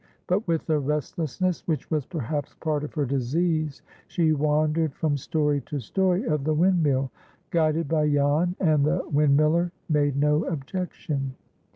But, with a restlessness which was perhaps part of her disease, she wandered from story to story of the windmill, guided by Jan, and the windmiller made no objection.